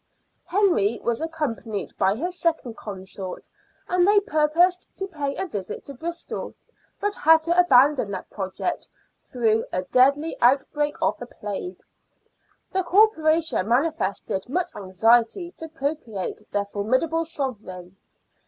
Henry was accompanied by his second consort, and they purposed to pay a visit to Bristol, but had to abandon that project through a deadly out break of the plague. The Corporation manifested much anxiety to propitiate their formidable Sovereign.